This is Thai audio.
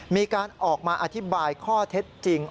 มีการออกมาอธิบายข้อเท็จจริง